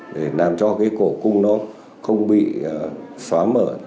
để làm cho cái cổ cung nó không bị xóa mở